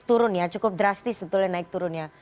turun ya cukup drastis betul ya naik turun ya